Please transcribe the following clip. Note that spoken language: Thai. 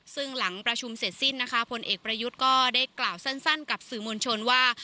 ซึ่งหลังประชุมเสร็จสิ้นนะคะผลเอกประยุทธ์ก็ได้กล่าวสั้นกับสื่อมวลชนว่า